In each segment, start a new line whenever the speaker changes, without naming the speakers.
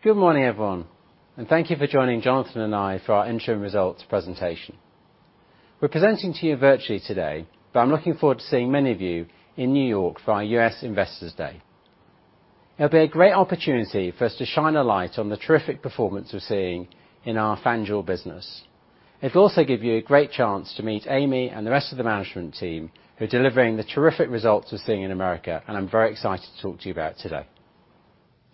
Good morning, everyone, and thank you for joining Jonathan and I for our interim results presentation. We're presenting to you virtually today, but I'm looking forward to seeing many of you in New York for our U.S. Investors Day. It'll be a great opportunity for us to shine a light on the terrific performance we're seeing in our FanDuel business. It'll also give you a great chance to meet Amy and the rest of the management team who are delivering the terrific results we're seeing in America, and I'm very excited to talk to you about it today.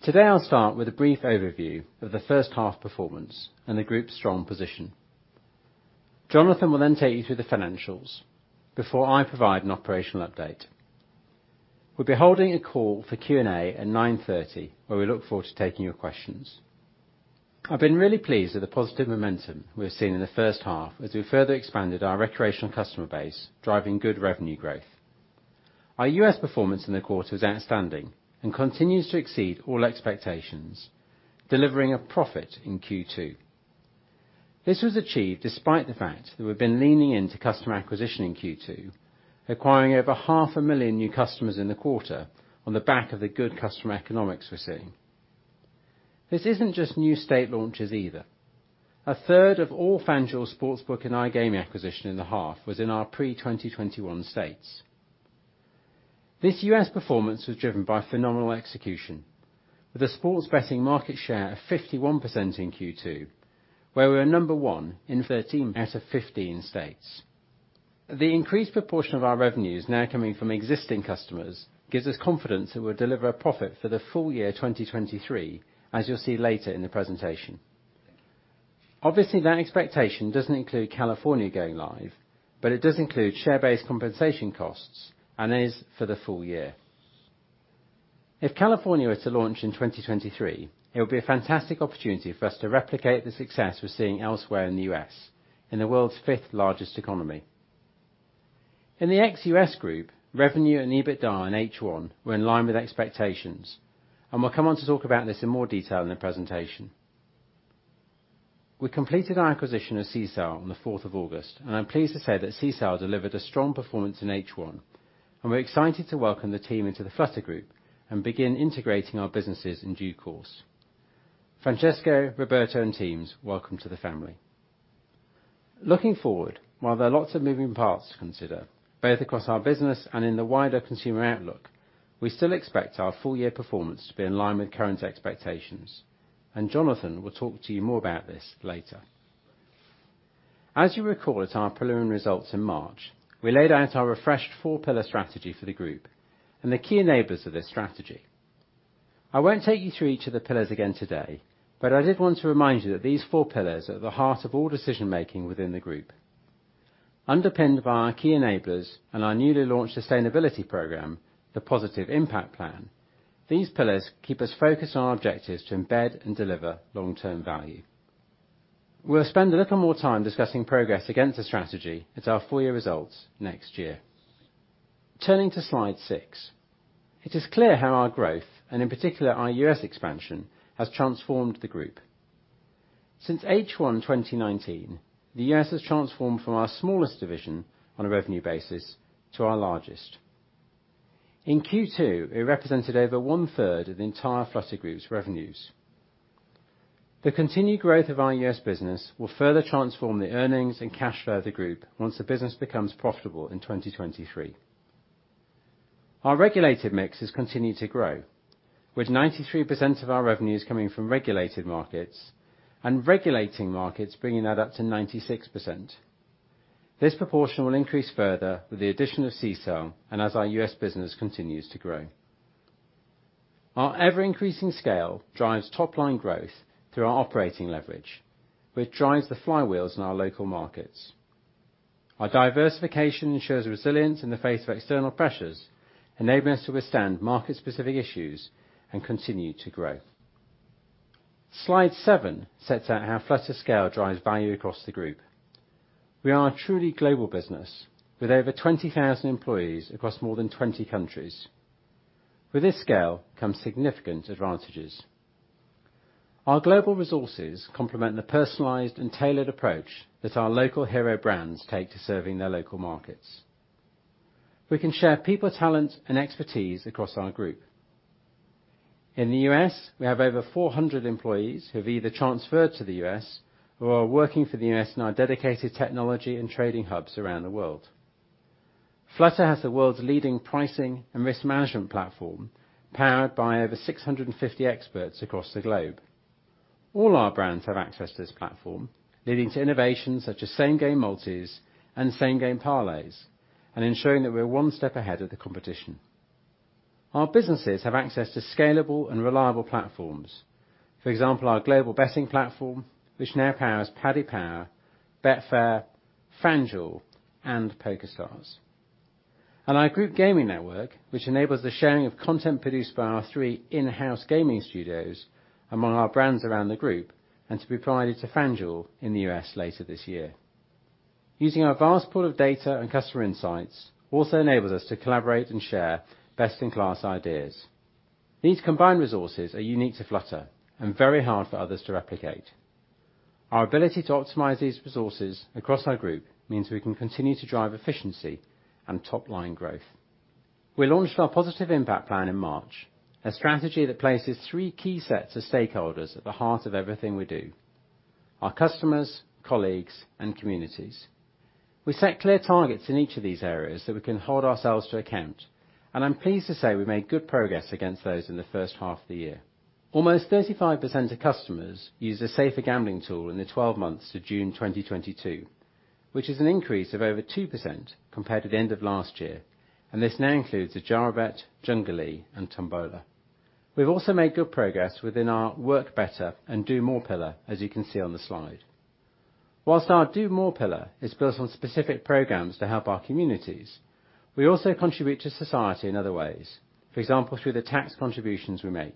Today, I'll start with a brief overview of the H1 performance and the group's strong position. Jonathan will then take you through the financials before I provide an operational update. We'll be holding a call for Q&A at 9:30 A.M., where we look forward to taking your questions. I've been really pleased with the positive momentum we're seeing in the H1 as we further expanded our recreational customer base, driving good revenue growth. Our U.S. performance in the quarter is outstanding and continues to exceed all expectations, delivering a profit in Q2. This was achieved despite the fact that we've been leaning into customer acquisition in Q2, acquiring over 500,000 new customers in the quarter on the back of the good customer economics we're seeing. This isn't just new state launches either. 1/3 of all FanDuel sportsbook iGaming acquisition in the half was in our pre-2021 states. This U.S. performance was driven by phenomenal execution with a sports betting market share of 51% in Q2, where we were number one in 13 out of 15 states. The increased proportion of our revenues now coming from existing customers gives us confidence that we'll deliver a profit for the full year 2023, as you'll see later in the presentation. Obviously, that expectation doesn't include California going live, but it does include share-based compensation costs and is for the full year. If California were to launch in 2023, it would be a fantastic opportunity for us to replicate the success we're seeing elsewhere in the U.S., in the world's fifth-largest economy. In the ex-U.S. group, revenue and EBITDA in H1 were in line with expectations, and we'll come on to talk about this in more detail in the presentation. We completed our acquisition of Sisal on the fourth of August, and I'm pleased to say that Sisal delivered a strong performance in H1, and we're excited to welcome the team into the Flutter group and begin integrating our businesses in due course. Francesco, Roberto, and teams, welcome to the family. Looking forward, while there are lots of moving parts to consider, both across our business and in the wider consumer outlook, we still expect our full year performance to be in line with current expectations, and Jonathan will talk to you more about this later. As you recall, at our preliminary results in March, we laid out our refreshed four-pillar strategy for the group and the key enablers of this strategy. I won't take you through each of the pillars again today, but I did want to remind you that these four pillars are at the heart of all decision-making within the group. Underpinned by our key enablers and our newly launched sustainability program, the Positive Impact Plan, these pillars keep us focused on our objectives to embed and deliver long-term value. We'll spend a little more time discussing progress against the strategy at our full year results next year. Turning to slide six, it is clear how our growth, and in particular our U.S. expansion, has transformed the group. Since H1 2019, the U.S. has transformed from our smallest division on a revenue basis to our largest. In Q2, it represented over 1/3 of the entire Flutter Group's revenues. The continued growth of our U.S. business will further transform the earnings and cash flow of the group once the business becomes profitable in 2023. Our regulated mix has continued to grow, with 93% of our revenues coming from regulated markets and regulating markets bringing that up to 96%. This proportion will increase further with the addition of Sisal and as our U.S. business continues to grow. Our ever-increasing scale drives top-line growth through our operating leverage, which drives the flywheels in our local markets. Our diversification ensures resilience in the face of external pressures, enabling us to withstand market-specific issues and continue to grow. Slide seven sets out how Flutter's scale drives value across the group. We are a truly global business with over 20,000 employees across more than 20 countries. With this scale comes significant advantages. Our global resources complement the personalized and tailored approach that our local hero brands take to serving their local markets. We can share people, talent, and expertise across our group. In the U.S., we have over 400 employees who have either transferred to the U.S. who are working for the U.S. in our dedicated technology and trading hubs around the world. Flutter has the world's leading pricing and risk management platform powered by over 650 experts across the globe. All our brands have access to this platform, leading to innovations such as Same Game Multis and Same Game Parlays and ensuring that we're one step ahead of the competition. Our businesses have access to scalable and reliable platforms. For example, our global betting platform, which now powers Paddy Power, Betfair, FanDuel, and PokerStars. Our group gaming network, which enables the sharing of content produced by our three in-house gaming studios among our brands around the group and to be provided to FanDuel in the U.S. later this year. Using our vast pool of data and customer insights also enables us to collaborate and share best-in-class ideas. These combined resources are unique to Flutter and very hard for others to replicate. Our ability to optimize these resources across our group means we can continue to drive efficiency and top-line growth. We launched our Positive Impact Plan in March, a strategy that places three key sets of stakeholders at the heart of everything we do, our customers, colleagues, and communities. We set clear targets in each of these areas so we can hold ourselves to account, and I'm pleased to say we made good progress against those in the H1 of the year. 35% of customers used a safer gambling tool in the twelve months to June 2022, which is an increase of over 2% compared to the end of last year, and this now includes the Adjarabet, Junglee, and Tombola. We've also made good progress within our work better and do more pillar, as you can see on the slide. While our do more pillar is built on specific programs to help our communities, we also contribute to society in other ways, for example, through the tax contributions we make.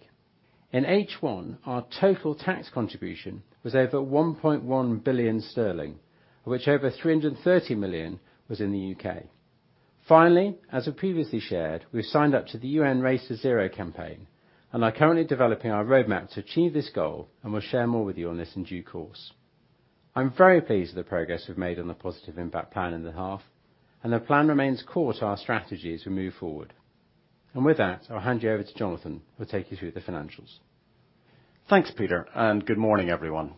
In H1, our total tax contribution was over 1.1 billion sterling, which over 330 million was in the U.K. Finally, as we previously shared, we've signed up to the U.N. Race to Zero campaign and are currently developing our roadmap to achieve this goal, and we'll share more with you on this in due course. I'm very pleased with the progress we've made on the Positive Impact Plan in the half, and the plan remains core to our strategy as we move forward. With that, I'll hand you over to Jonathan, who will take you through the financials.
Thanks, Peter, and good morning, everyone.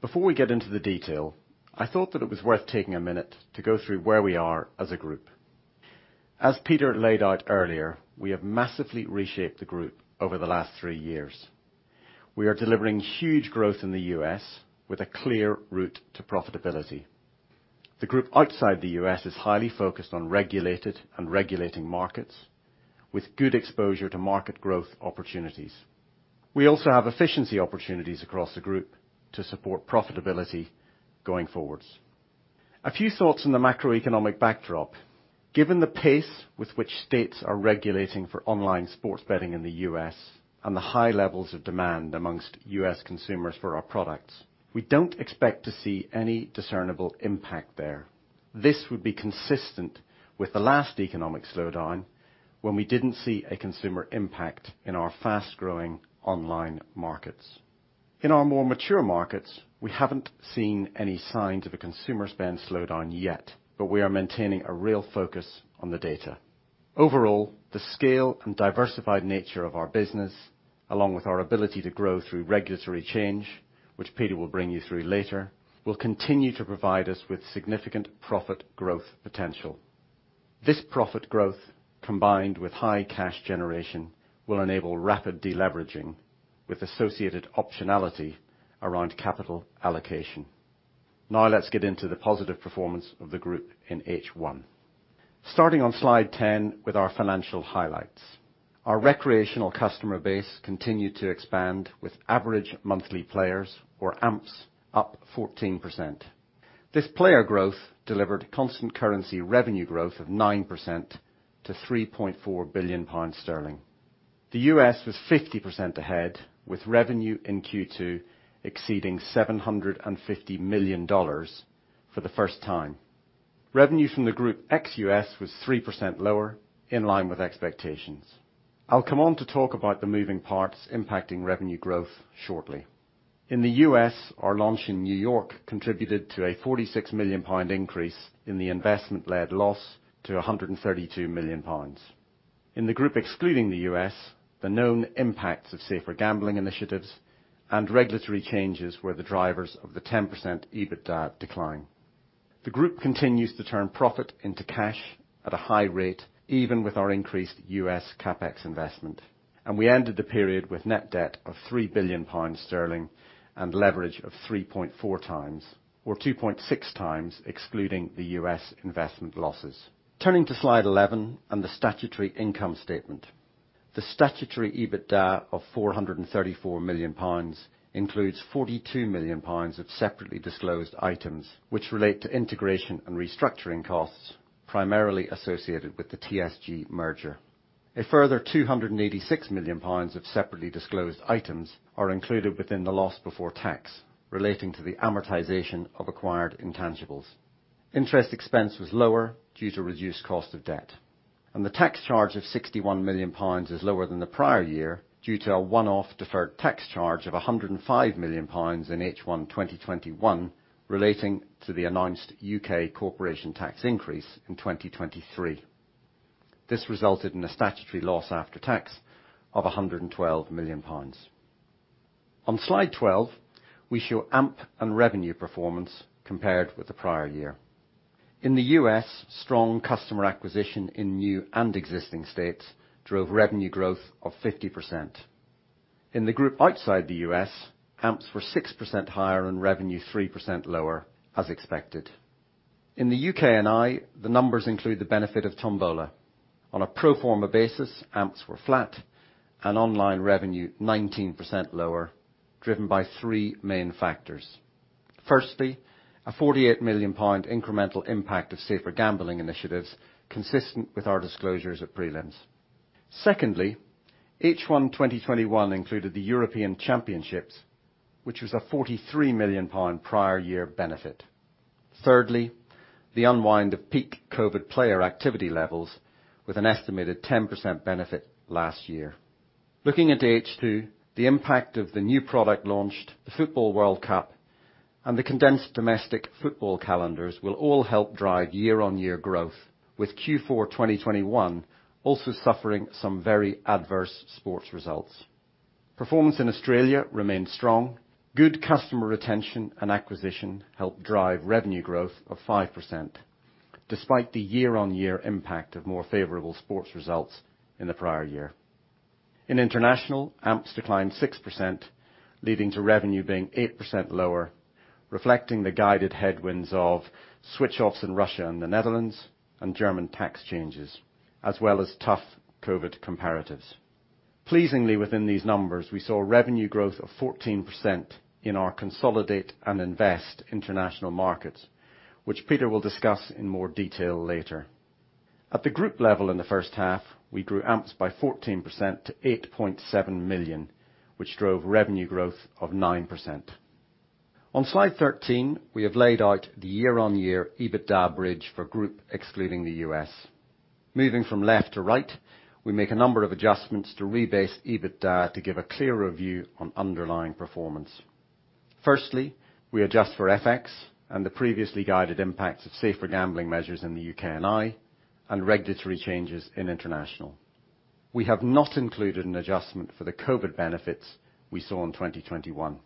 Before we get into the detail, I thought that it was worth taking a minute to go through where we are as a group. As Peter laid out earlier, we have massively reshaped the group over the last three years. We are delivering huge growth in the U.S. with a clear route to profitability. The group outside the U.S. is highly focused on regulated and regulating markets with good exposure to market growth opportunities. We also have efficiency opportunities across the group to support profitability going forwards. A few thoughts on the macroeconomic backdrop. Given the pace with which states are regulating for online sports betting in the U.S. and the high levels of demand amongst U.S. consumers for our products, we don't expect to see any discernible impact there. This would be consistent with the last economic slowdown when we didn't see a consumer impact in our fast-growing online markets. In our more mature markets, we haven't seen any signs of a consumer spend slowdown yet, but we are maintaining a real focus on the data. Overall, the scale and diversified nature of our business, along with our ability to grow through regulatory change, which Peter will bring you through later, will continue to provide us with significant profit growth potential. This profit growth, combined with high cash generation, will enable rapid deleveraging with associated optionality around capital allocation. Now let's get into the positive performance of the group in H1. Starting on slide 10 with our financial highlights. Our recreational customer base continued to expand with average monthly players or AMPs up 14%. This player growth delivered constant currency revenue growth of 9% to 3.4 billion pounds. The U.S. was 50% ahead, with revenue in Q2 exceeding $750 million for the first time. Revenue from the Group ex-U.S. was 3% lower in line with expectations. I'll come on to talk about the moving parts impacting revenue growth shortly. In the U.S., our launch in New York contributed to a 46 million pound increase in the investment-led loss to 132 million pounds. In the group excluding the U.S., the known impacts of safer gambling initiatives and regulatory changes were the drivers of the 10% EBITDA decline. The group continues to turn profit into cash at a high rate, even with our increased U.S. CapEx investment, and we ended the period with net debt of 3 billion sterling and leverage of 3.4x or 2.6x excluding the U.S. investment losses. Turning to slide 11 and the statutory income statement. The statutory EBITDA of 434 million pounds includes 42 million pounds of separately disclosed items which relate to integration and restructuring costs primarily associated with the TSG merger. A further 286 million pounds of separately disclosed items are included within the loss before tax relating to the amortization of acquired intangibles. Interest expense was lower due to reduced cost of debt, and the tax charge of 61 million pounds is lower than the prior year due to a one-off deferred tax charge of 105 million pounds in H1 2021 relating to the announced U.K. Corporation Tax increase in 2023. This resulted in a statutory loss after tax of 112 million pounds. On Slide 12, we show AMP and revenue performance compared with the prior year. In the U.S., strong customer acquisition in new and existing states drove revenue growth of 50%. In the group outside the U.S., AMPs were 6% higher, and revenue 3% lower as expected. In the UK and Ireland, the numbers include the benefit of Tombola. On a pro forma basis, AMPs were flat and online revenue 19% lower, driven by three main factors. Firstly, a 48 million incremental impact of safer gambling initiatives consistent with our disclosures at prelims. Secondly, H1 2021 included the European Championships, which was a 43 million pound prior year benefit. Thirdly, the unwind of peak COVID player activity levels with an estimated 10% benefit last year. Looking at H2, the impact of the new product launched, the FIFA World Cup, and the condensed domestic football calendars will all help drive year-on-year growth, with Q4 2021 also suffering some very adverse sports results. Performance in Australia remained strong. Good customer retention and acquisition helped drive revenue growth of 5%, despite the year-on-year impact of more favorable sports results in the prior year. In international, AMPs declined 6%, leading to revenue being 8% lower, reflecting the guided headwinds of switch offs in Russia and the Netherlands and German tax changes, as well as tough COVID comparatives. Pleasingly within these numbers, we saw revenue growth of 14% in our consolidated and invest international markets, which Peter will discuss in more detail later. At the group level in the H1, we grew AMPs by 14% to 8.7 million, which drove revenue growth of 9%. On slide 13, we have laid out the year-on-year EBITDA bridge for group excluding the U.S. Moving from left to right, we make a number of adjustments to rebase EBITDA to give a clearer view on underlying performance. Firstly, we adjust for FX and the previously guided impacts of safer gambling measures in the UK and Italy, and regulatory changes in international. We have not included an adjustment for the COVID benefits we saw in 2021.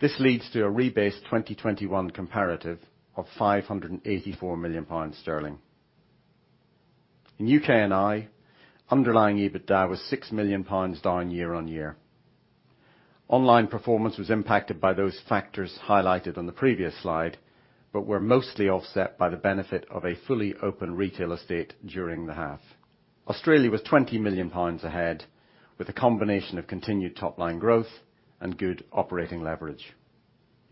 This leads to a rebased 2021 comparative of 584 million sterling. In U.K. and Ireland, underlying EBITDA was GBP 6 million down year-on-year. Online performance was impacted by those factors highlighted on the previous slide, but were mostly offset by the benefit of a fully open retail estate during the half. Australia was 20 million pounds ahead, with a combination of continued top-line growth and good operating leverage.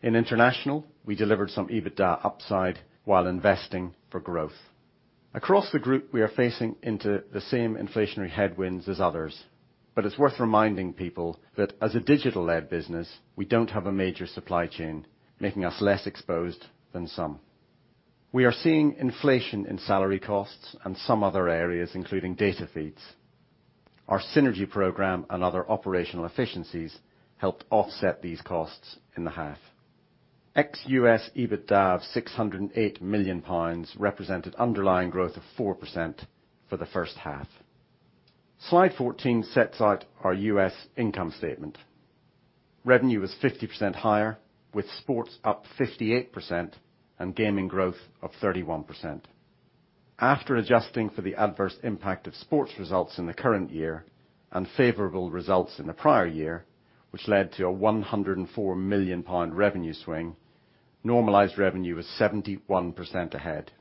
In international, we delivered some EBITDA upside while investing for growth. Across the group, we are facing into the same inflationary headwinds as others. It's worth reminding people that as a digital-led business, we don't have a major supply chain, making us less exposed than some. We are seeing inflation in salary costs and some other areas, including data feeds. Our synergy program and other operational efficiencies helped offset these costs in the half. Ex-U.S. EBITDA of 608 million pounds represented underlying growth of 4% for the H1. Slide 14 sets out our U.S. income statement. Revenue was 50% higher, with sports up 58% and gaming growth of 31%. After adjusting for the adverse impact of sports results in the current year and favorable results in the prior year, which led to a 104 million pound revenue swing, normalized revenue was 71% ahead.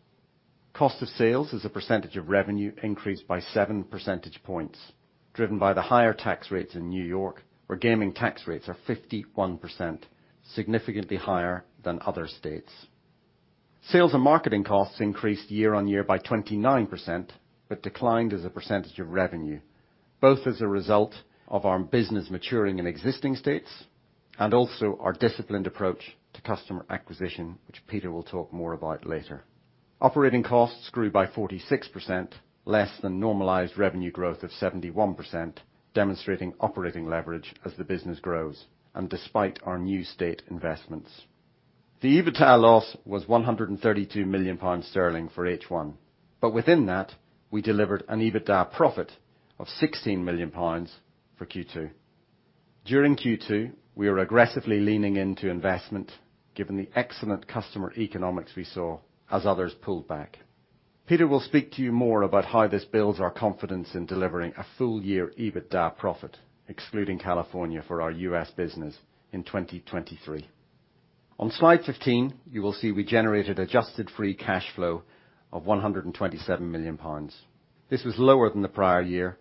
Cost of sales as a percentage of revenue increased by 7 percentage points, driven by the higher tax rates in New York, where gaming tax rates are 51%, significantly higher than other states. Sales and marketing costs increased year-on-year by 29%, but declined as a percentage of revenue, both as a result of our business maturing in existing states and also our disciplined approach to customer acquisition, which Peter will talk more about later. Operating costs grew by 46%, less than normalized revenue growth of 71%, demonstrating operating leverage as the business grows and despite our new state investments. The EBITDA loss was 132 million sterling for H1. Within that, we delivered an EBITDA profit of 16 million pounds for Q2. During Q2, we were aggressively leaning into investment, given the excellent customer economics we saw as others pulled back. Peter will speak to you more about how this builds our confidence in delivering a full year EBITDA profit, excluding California for our U.S. business in 2023. On slide 15, you will see we generated adjusted free cash flow of 127 million pounds. This was lower than the prior year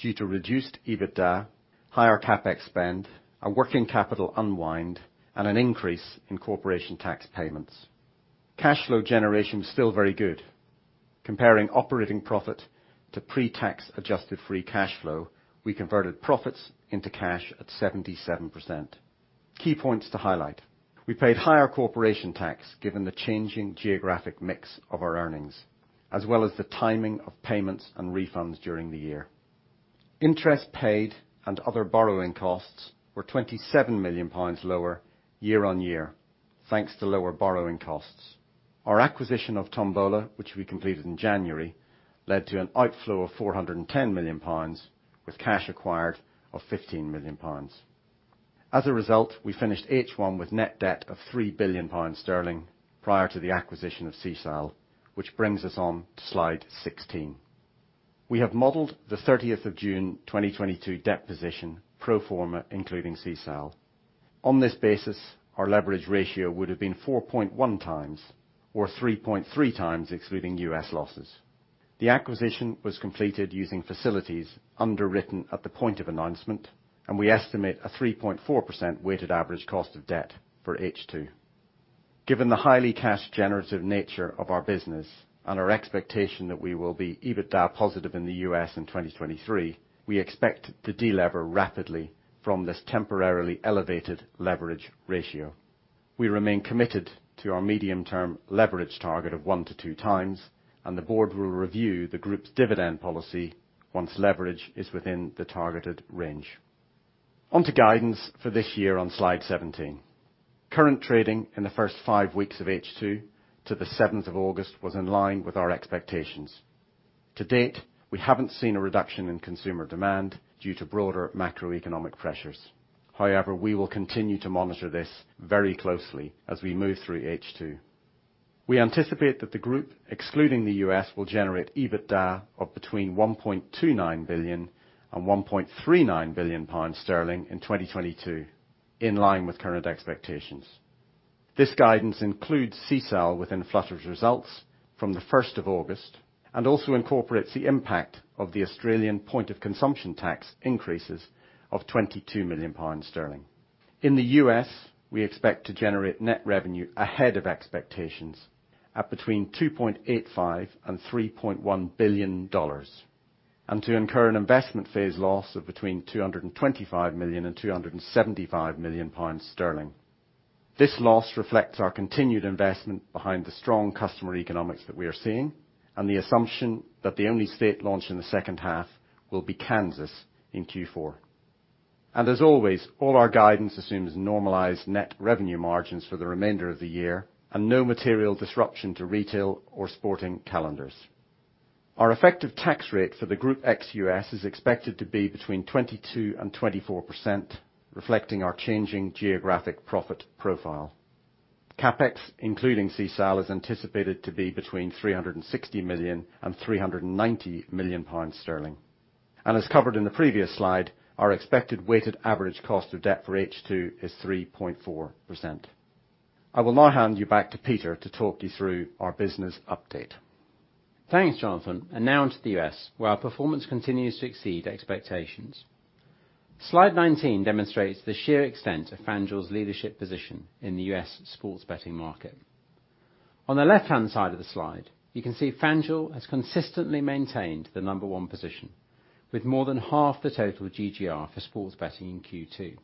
due to reduced EBITDA, higher CapEx spend, a working capital unwind, and an increase in corporation tax payments. Cash flow generation was still very good. Comparing operating profit to pre-tax adjusted free cash flow, we converted profits into cash at 77%. Key points to highlight. We paid higher corporation tax given the changing geographic mix of our earnings, as well as the timing of payments and refunds during the year. Interest paid and other borrowing costs were 27 million pounds lower year-on-year, thanks to lower borrowing costs. Our acquisition of Tombola, which we completed in January, led to an outflow of 410 million pounds, with cash acquired of 15 million pounds. As a result, we finished H1 with net debt of 3 billion sterling prior to the acquisition of Sisal, which brings us on to slide 16. We have modeled the 30th of June 2022 debt position pro forma, including Sisal. On this basis, our leverage ratio would have been 4.1x or 3.3x, excluding U.S. losses. The acquisition was completed using facilities underwritten at the point of announcement, and we estimate a 3.4% weighted average cost of debt for H2. Given the highly cash generative nature of our business and our expectation that we will be EBITDA positive in the U.S. in 2023, we expect to delever rapidly from this temporarily elevated leverage ratio. We remain committed to our medium-term leverage target of 1x-2x, and the board will review the group's dividend policy once leverage is within the targeted range. On to guidance for this year on slide 17. Current trading in the first 5 weeks of H2 to the 7th of August was in line with our expectations. To date, we haven't seen a reduction in consumer demand due to broader macroeconomic pressures. However, we will continue to monitor this very closely as we move through H2. We anticipate that the group, excluding the U.S., will generate EBITDA of between 1.29 billion and 1.39 billion pounds in 2022, in line with current expectations. This guidance includes Sisal within Flutter's results from the first of August, and also incorporates the impact of the Australian point-of-consumption tax increases of 22 million sterling. In the U.S., we expect to generate net revenue ahead of expectations at between $2.85 billion and $3.1 billion, and to incur an investment phase loss of between 225 million and 275 million pounds. This loss reflects our continued investment behind the strong customer economics that we are seeing and the assumption that the only state launch in the H2 will be Kansas in Q4. As always, all our guidance assumes normalized net revenue margins for the remainder of the year and no material disruption to retail or sporting calendars. Our effective tax rate for the Group ex-U.S. is expected to be between 22% and 24%, reflecting our changing geographic profit profile. CapEx, including CSL, is anticipated to be between 360 million and 390 million sterling. As covered in the previous slide, our expected weighted average cost of debt for H2 is 3.4%. I will now hand you back to Peter to talk you through our business update.
Thanks, Jonathan. Now on to the U.S., where our performance continues to exceed expectations. Slide 19 demonstrates the sheer extent of FanDuel's leadership position in the U.S. sports betting market. On the left-hand side of the slide, you can see FanDuel has consistently maintained the number one position with more than half the total GGR for sports betting in Q2.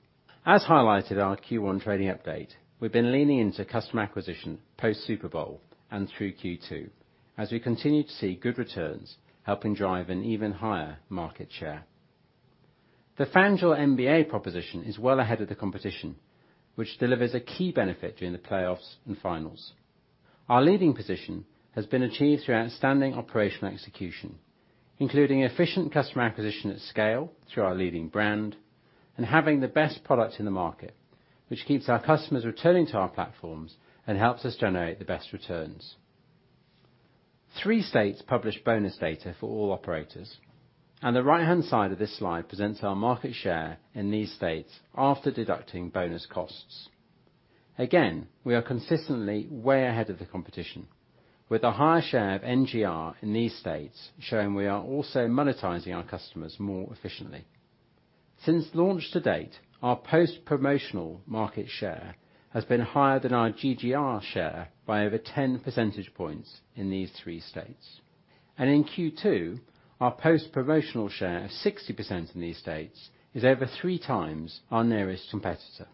As highlighted in our Q1 trading update, we've been leaning into customer acquisition post-Super Bowl and through Q2 as we continue to see good returns helping drive an even higher market share. The FanDuel NBA proposition is well ahead of the competition, which delivers a key benefit during the playoffs and finals. Our leading position has been achieved through outstanding operational execution, including efficient customer acquisition at scale through our leading brand and having the best product in the market, which keeps our customers returning to our platforms and helps us generate the best returns. Three states publish bonus data for all operators, and the right-hand side of this slide presents our market share in these states after deducting bonus costs. Again, we are consistently way ahead of the competition, with a higher share of NGR in these states showing we are also monetizing our customers more efficiently. Since launch to date, our post-promotional market share has been higher than our GGR share by over 10 percentage points in these three states. In Q2, our post-promotional share of 60% in these states is over three times our nearest competitor.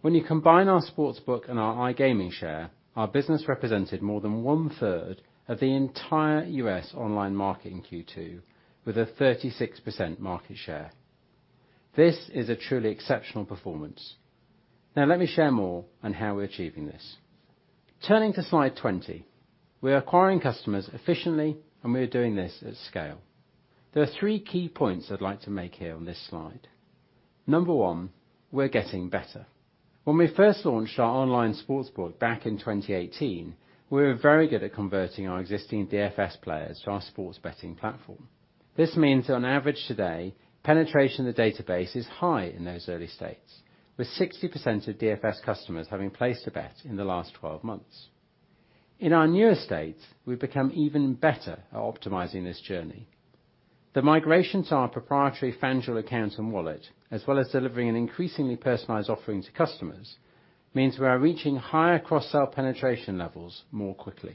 When you combine our sportsbook and our iGaming share, our business represented more than 1/3 of the entire U.S. online market in Q2, with a 36% market share. This is a truly exceptional performance. Now let me share more on how we're achieving this. Turning to slide 20, we are acquiring customers efficiently, and we are doing this at scale. There are three key points I'd like to make here on this slide. Number one, we're getting better. When we first launched our online sportsbook back in 2018, we were very good at converting our existing DFS players to our sports betting platform. This means on average today, penetration in the database is high in those early states, with 60% of DFS customers having placed a bet in the last 12 months. In our newer states, we've become even better at optimizing this journey. The migration to our proprietary FanDuel account and wallet, as well as delivering an increasingly personalized offering to customers, means we are reaching higher cross-sell penetration levels more quickly.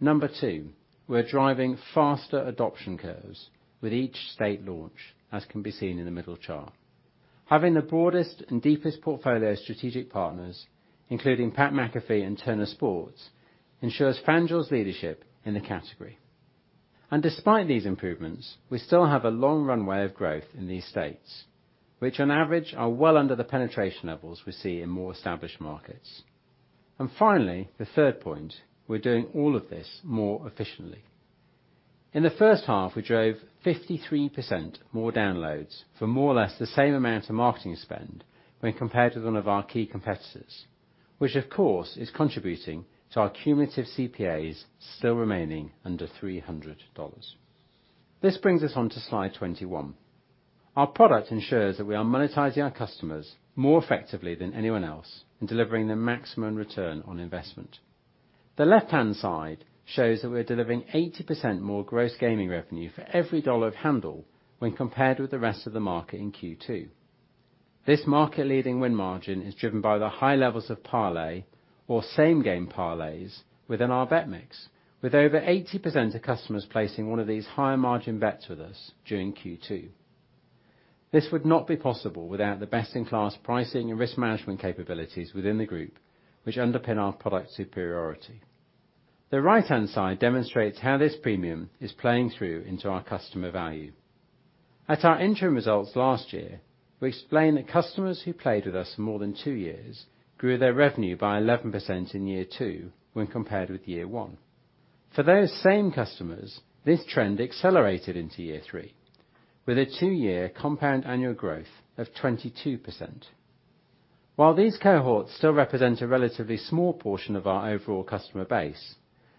Number two, we're driving faster adoption curves with each state launch, as can be seen in the middle chart. Having the broadest and deepest portfolio of strategic partners, including Pat McAfee and Turner Sports, ensures FanDuel's leadership in the category. Despite these improvements, we still have a long runway of growth in these states, which on average are well under the penetration levels we see in more established markets. Finally, the third point, we're doing all of this more efficiently. In the H1, we drove 53% more downloads for more or less the same amount of marketing spend when compared with one of our key competitors, which of course is contributing to our cumulative CPAs still remaining under $300. This brings us on to slide 21. Our product ensures that we are monetizing our customers more effectively than anyone else and delivering the maximum return on investment. The left-hand side shows that we're delivering 80% more gross gaming revenue for every dollar of handle when compared with the rest of the market in Q2. This market-leading win margin is driven by the high levels of parlay or Same Game Parlays within our bet mix, with over 80% of customers placing one of these higher-margin bets with us during Q2. This would not be possible without the best-in-class pricing and risk management capabilities within the group, which underpin our product superiority. The right-hand side demonstrates how this premium is playing through into our customer value. At our interim results last year, we explained that customers who played with us more than two years grew their revenue by 11% in year two when compared with year one. For those same customers, this trend accelerated into year three with a two-year compound annual growth of 22%. While these cohorts still represent a relatively small portion of our overall customer base,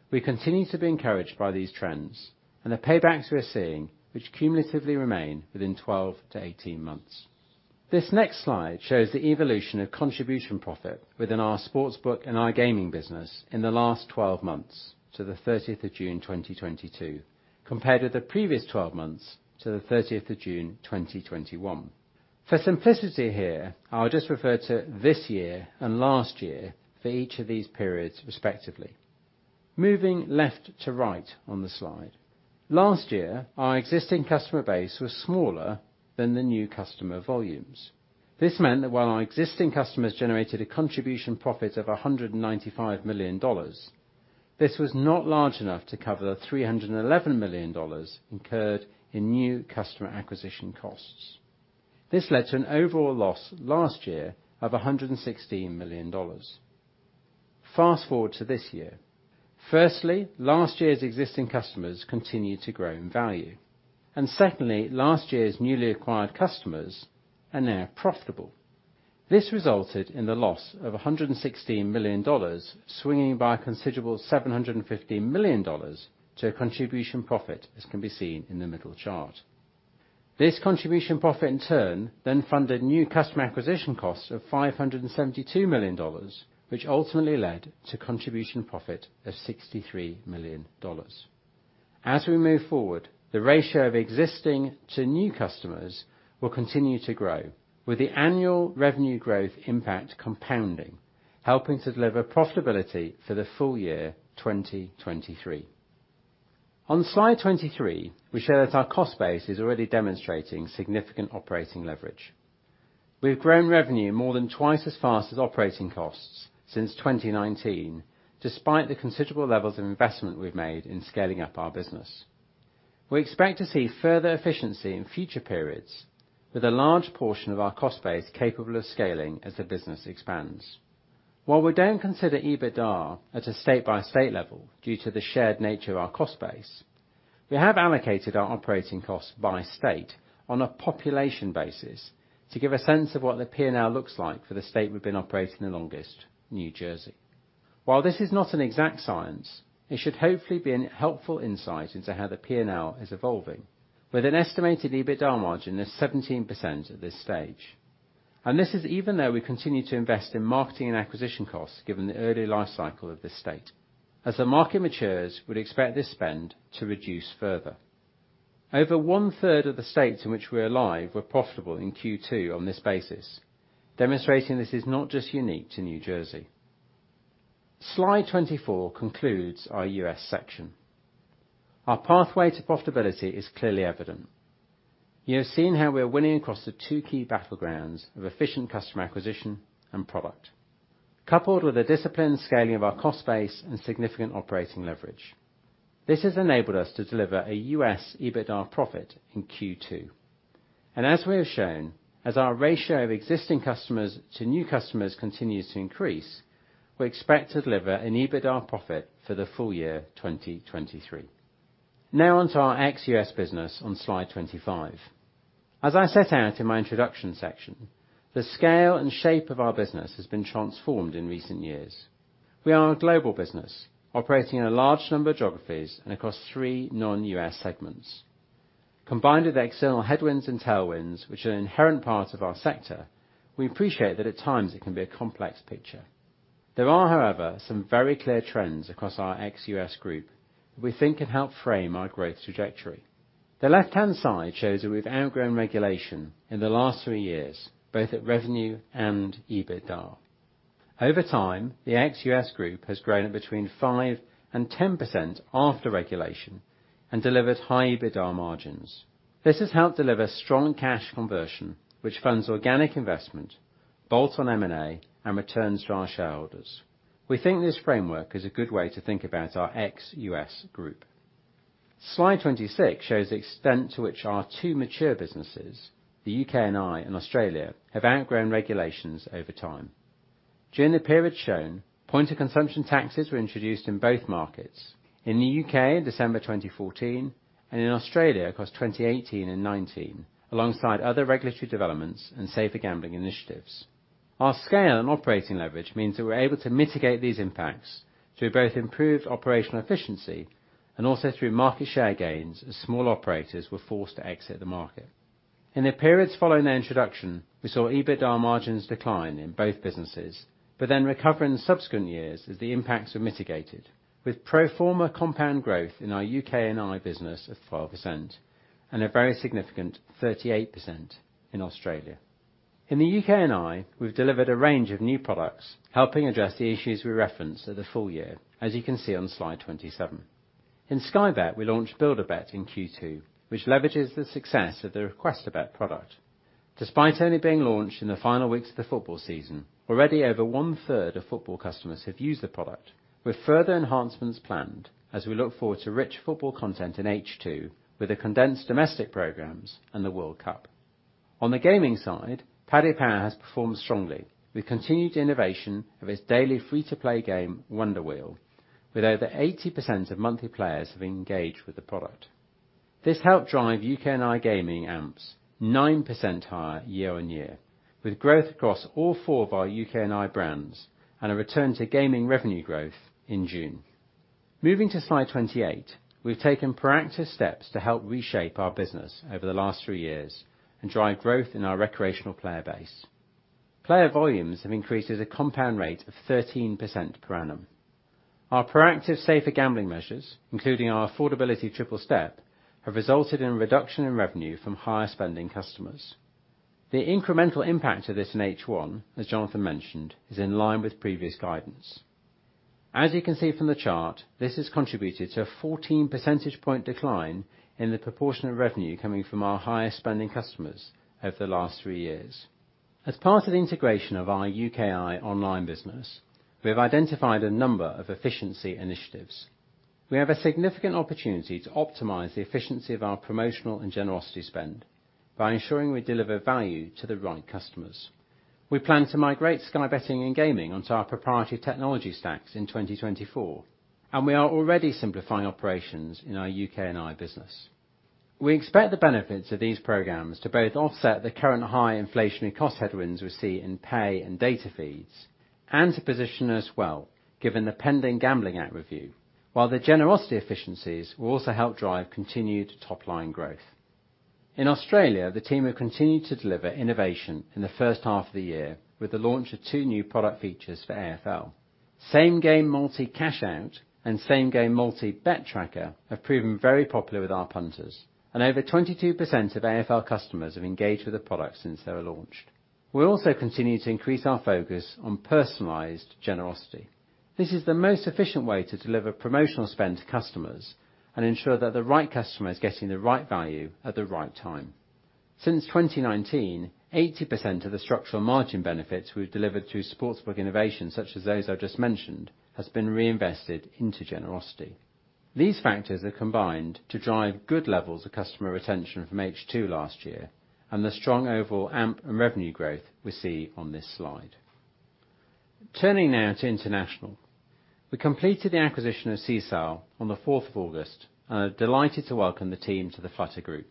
we continue to be encouraged by these trends and the paybacks we are seeing, which cumulatively remain within 12-18 months. This next slide shows the evolution of contribution profit within our sports book and our gaming business in the last 12 months to the thirtieth of June 2022, compared with the previous 12 months to the thirtieth of June 2021. For simplicity here, I'll just refer to this year and last year for each of these periods, respectively. Moving left to right on the slide, last year, our existing customer base was smaller than the new customer volumes. This meant that while our existing customers generated a contribution profit of $195 million, this was not large enough to cover the $311 million incurred in new customer acquisition costs. This led to an overall loss last year of $116 million. Fast-forward to this year. Firstly, last year's existing customers continued to grow in value. Secondly, last year's newly acquired customers are now profitable. This resulted in the loss of $116 million swinging by a considerable $750 million to a contribution profit, as can be seen in the middle chart. This contribution profit, in turn, then funded new customer acquisition costs of $572 million, which ultimately led to contribution profit of $63 million. As we move forward, the ratio of existing to new customers will continue to grow with the annual revenue growth impact compounding, helping to deliver profitability for the full year 2023. On slide 23, we show that our cost base is already demonstrating significant operating leverage. We've grown revenue more than twice as fast as operating costs since 2019, despite the considerable levels of investment we've made in scaling up our business. We expect to see further efficiency in future periods with a large portion of our cost base capable of scaling as the business expands. While we don't consider EBITDA at a state-by-state level due to the shared nature of our cost base, we have allocated our operating costs by state on a population basis to give a sense of what the P&L looks like for the state we've been operating the longest, New Jersey. While this is not an exact science, it should hopefully be a helpful insight into how the P&L is evolving with an estimated EBITDA margin of 17% at this stage. This is even though we continue to invest in marketing and acquisition costs, given the early life cycle of this state. As the market matures, we'd expect this spend to reduce further. Over 1/3 of the states in which we are live were profitable in Q2 on this basis, demonstrating this is not just unique to New Jersey. Slide 24 concludes our U.S section. Our pathway to profitability is clearly evident. You have seen how we are winning across the two key battlegrounds of efficient customer acquisition and product, coupled with a disciplined scaling of our cost base and significant operating leverage. This has enabled us to deliver a U.S. EBITDA profit in Q2. As we have shown, as our ratio of existing customers to new customers continues to increase, we expect to deliver an EBITDA profit for the full year 2023. Now on to our ex-U.S. business on slide 25. As I set out in my introduction section, the scale and shape of our business has been transformed in recent years. We are a global business operating in a large number of geographies and across three non-U.S. segments. Combined with external headwinds and tailwinds, which are an inherent part of our sector, we appreciate that at times it can be a complex picture. There are, however, some very clear trends across our ex-U.S. group that we think can help frame our growth trajectory. The left-hand side shows that we've outgrown regulation in the last three years, both at revenue and EBITDA. Over time, the ex-U.S. group has grown between 5% and 10% after regulation and delivered high EBITDA margins. This has helped deliver strong cash conversion, which funds organic investment, bolts on M&A, and returns to our shareholders. We think this framework is a good way to think about our ex-U.S. group. Slide 26 shows the extent to which our two mature businesses, the UK&I and Australia, have outgrown regulations over time. During the period shown, point-of-consumption taxes were introduced in both markets, in the U.K. in December 2014, and in Australia across 2018 and 2019, alongside other regulatory developments and safer gambling initiatives. Our scale and operating leverage means that we're able to mitigate these impacts through both improved operational efficiency and also through market share gains as small operators were forced to exit the market. In the periods following the introduction, we saw EBITDA margins decline in both businesses, but then recover in subsequent years as the impacts were mitigated. With pro forma compound growth in our UK&I business of 12% and a very significant 38% in Australia. In the UK&I, we've delivered a range of new products, helping address the issues we referenced at the full year, as you can see on slide 27. In Sky Bet, we launched BuildABet in Q2, which leverages the success of the Request a Bet product. Despite only being launched in the final weeks of the football season, already over one-third of football customers have used the product, with further enhancements planned as we look forward to rich football content in H2 with the condensed domestic programs and the World Cup. On the gaming side, Paddy Power has performed strongly with continued innovation of its daily free-to-play game, Wonder Wheel, with over 80% of monthly players having engaged with the product. This helped drive UK and iGaming AMPs 9% higher year-over-year, with growth across all four of our UK and iGaming brands, and a return to gaming revenue growth in June. Moving to slide 28, we've taken proactive steps to help reshape our business over the last three years and drive growth in our recreational player base. Player volumes have increased at a compound rate of 13% per annum. Our proactive safer gambling measures, including our Affordability Triple-Step, have resulted in a reduction in revenue from higher spending customers. The incremental impact of this in H1, as Jonathan mentioned, is in line with previous guidance. As you can see from the chart, this has contributed to a 14 percentage point decline in the proportion of revenue coming from our highest spending customers over the last three years. As part of the integration of our UK&I online business, we have identified a number of efficiency initiatives. We have a significant opportunity to optimize the efficiency of our promotional and generosity spend by ensuring we deliver value to the right customers. We plan to migrate Sky Bet and gaming onto our proprietary technology stacks in 2024, and we are already simplifying operations in our UK&I business. We expect the benefits of these programs to both offset the current high inflationary cost headwinds we see in pay and data feeds, and to position us well given the pending Gambling Act Review. While the generosity efficiencies will also help drive continued top-line growth. In Australia, the team have continued to deliver innovation in the H1 of the year with the launch of two new product features for AFL. Same Game Multi Cashout and Same Game Multi Bet Tracker have proven very popular with our punters, and over 22% of AFL customers have engaged with the product since they were launched. We're also continuing to increase our focus on personalized generosity. This is the most efficient way to deliver promotional spend to customers and ensure that the right customer is getting the right value at the right time. Since 2019, 80% of the structural margin benefits we've delivered through sportsbook innovations such as those I just mentioned has been reinvested into generosity. These factors are combined to drive good levels of customer retention from H2 last year, and the strong overall AMPs and revenue growth we see on this slide. Turning now to international. We completed the acquisition of Sisal on the 4th of August, and are delighted to welcome the team to the Flutter Group.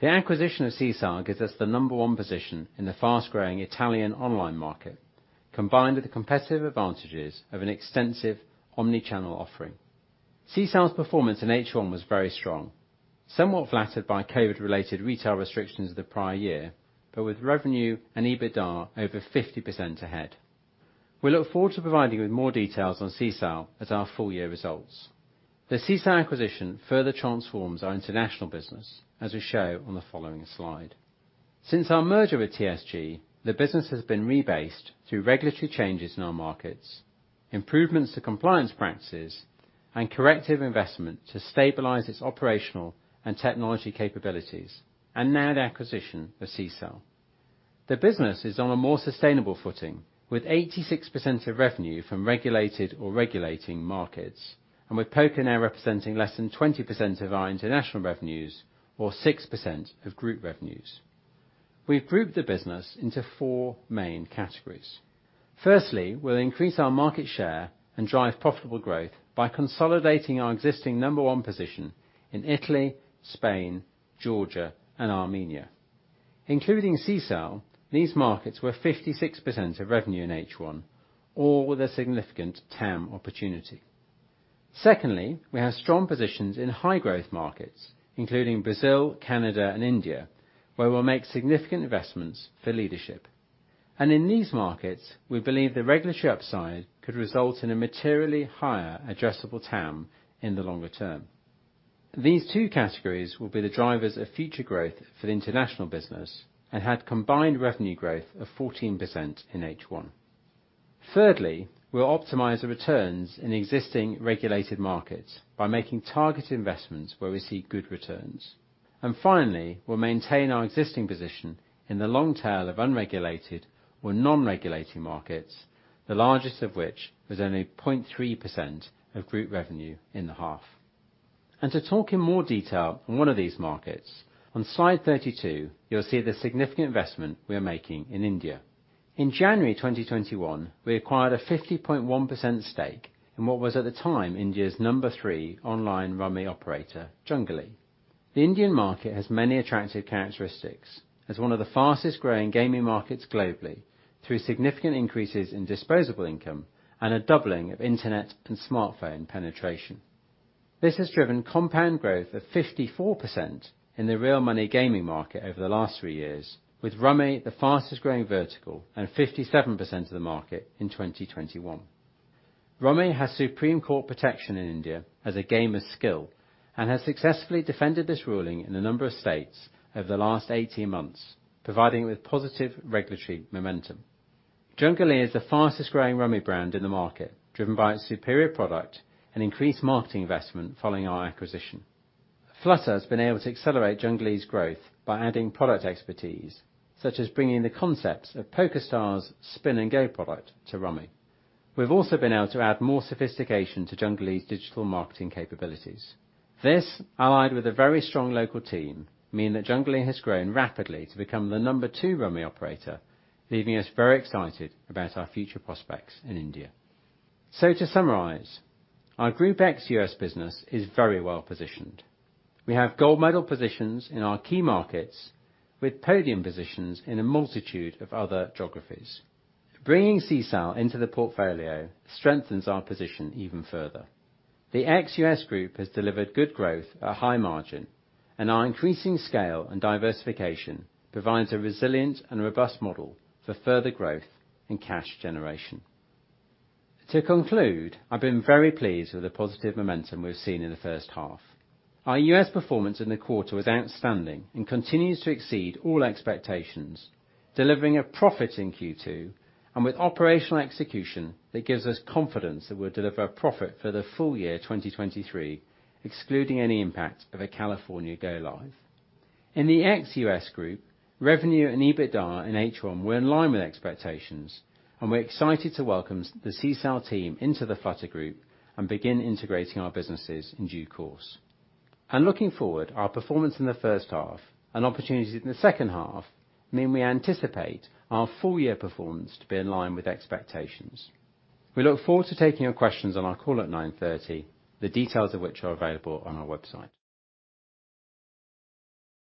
The acquisition of Sisal gives us the number one position in the fast-growing Italian online market, combined with the competitive advantages of an extensive omni-channel offering. Sisal's performance in H1 was very strong, somewhat flattered by COVID-related retail restrictions the prior year, but with revenue and EBITDA over 50% ahead. We look forward to providing you with more details on Sisal at our full year results. The Sisal acquisition further transforms our international business, as we show on the following slide. Since our merger with TSG, the business has been rebased through regulatory changes in our markets, improvements to compliance practices, and corrective investment to stabilize its operational and technology capabilities, and now the acquisition of Sisal. The business is on a more sustainable footing, with 86% of revenue from regulated or regulating markets, and with poker now representing less than 20% of our international revenues or 6% of group revenues. We've grouped the business into four main categories. Firstly, we'll increase our market share and drive profitable growth by consolidating our existing number one position in Italy, Spain, Georgia, and Armenia. Including Sisal, these markets were 56% of revenue in H1, all with a significant TAM opportunity. Secondly, we have strong positions in high-growth markets, including Brazil, Canada, and India, where we'll make significant investments for leadership. In these markets, we believe the regulatory upside could result in a materially higher addressable TAM in the longer term. These two categories will be the drivers of future growth for the international business and had combined revenue growth of 14% in H1. Thirdly, we'll optimize the returns in existing regulated markets by making targeted investments where we see good returns. Finally, we'll maintain our existing position in the long tail of unregulated or non-regulating markets, the largest of which is only 0.3% of group revenue in the half. To talk in more detail on one of these markets, on slide 32, you'll see the significant investment we are making in India. In January 2021, we acquired a 50.1% stake in what was at the time India's number 3 online Rummy operator, Junglee. The Indian market has many attractive characteristics as one of the fastest-growing gaming markets globally through significant increases in disposable income and a doubling of internet and smartphone penetration. This has driven compound growth of 54% in the real money gaming market over the last three years, with Rummy the fastest-growing vertical and 57% of the market in 2021. Rummy has Supreme Court of India protection in India as a game of skill and has successfully defended this ruling in a number of states over the last 18 months, providing positive regulatory momentum. Junglee is the fastest growing Rummy brand in the market, driven by its superior product and increased marketing investment following our acquisition. Flutter's been able to accelerate Junglee's growth by adding product expertise, such as bringing the concepts of PokerStars' Spin & Go product to Rummy. We've also been able to add more sophistication to Junglee's digital marketing capabilities. This, allied with a very strong local team, mean that Junglee has grown rapidly to become the number two Rummy operator, leaving us very excited about our future prospects in India. To summarize, our Group Ex-U.S. business is very well-positioned. We have gold medal positions in our key markets, with podium positions in a multitude of other geographies. Bringing Sisal into the portfolio strengthens our position even further. The Ex-U.S. group has delivered good growth at high margin, and our increasing scale and diversification provides a resilient and robust model for further growth and cash generation. To conclude, I've been very pleased with the positive momentum we've seen in the H1. Our U.S. performance in the quarter was outstanding and continues to exceed all expectations, delivering a profit in Q2, and with operational execution that gives us confidence that we'll deliver a profit for the full year 2023, excluding any impact of a California go-live. In the ex-U.S. group, revenue and EBITDA in H1 were in line with expectations, and we're excited to welcome the Sisal team into the Flutter Group and begin integrating our businesses in due course. Looking forward, our performance in the H1 and opportunities in the H2 mean we anticipate our full year performance to be in line with expectations. We look forward to taking your questions on our call at 9:30 A.M., the details of which are available on our website.